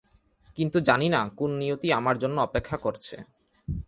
কিন্তু জানি না কোন নিয়তি আমার জন্য অপেক্ষা করছে।